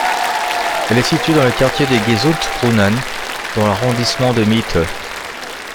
Elle est située dans le quartier de Gesundbrunnen dans l'arrondissement de Mitte.